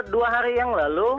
dua hari yang lalu